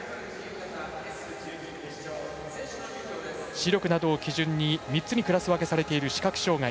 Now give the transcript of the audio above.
視力などを基準に３つにクラス分けされている視覚障がい。